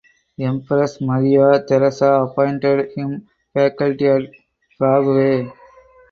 Empress Maria Theresa appointed him faculty at Prague.